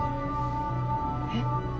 えっ？